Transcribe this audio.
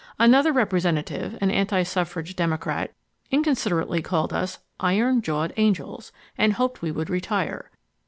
Another representative, an anti suffrage Democrat, inconsiderately called us "Iron jawed angels," and hoped we would retire.